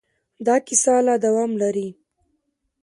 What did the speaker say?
دا کیسه لا دوام لري.